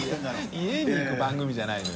家に行く番組じゃないのよ